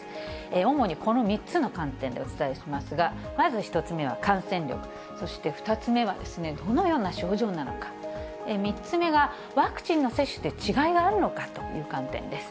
主にこの３つの観点でお伝えしますが、まず１つ目は感染力、そして２つ目は、どのような症状なのか、３つ目がワクチンの接種で違いがあるのかという観点です。